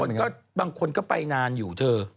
แต่บางคนก็ไปนานอยู่เธอ